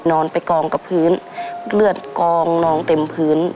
นอนไปกองกับพื้นเลือดกองนองเต็มพื้น